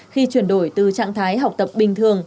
khi chuyển đổi từ trạng thái học tập bình thường